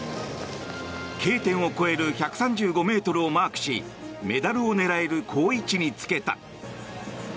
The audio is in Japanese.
Ｋ点を越える１３５ｍをマークしメダルを狙える好位置につけた。